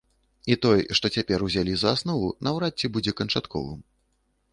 І той, што цяпер узялі за аснову, наўрад ці будзе канчатковым.